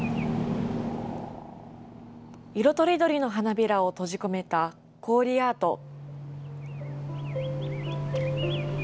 色とりどりの花びらを閉じ込めた氷アート。